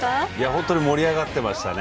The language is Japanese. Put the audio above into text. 本当に盛り上がってましたね。